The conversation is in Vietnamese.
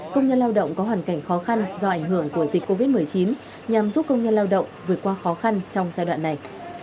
công nhân lao động có hoàn cảnh khó khăn do ảnh hưởng của dịch covid một mươi chín nhằm giúp công nhân lao động vượt qua khó khăn trong giai đoạn này